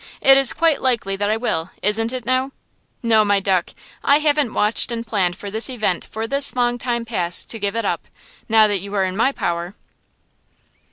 It is quite likely that I will! Isn't it, now? No, my duck, I haven't watched and planned for this chance for this long time past to give it up, now that you are in my power!